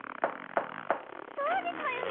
そうですわよね！